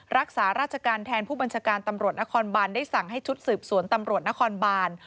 รักษาราชการแทนผู้บัญชาการตำรวจนครบานได้สั่งให้ชุดสืบสวนตำรวจนครบาน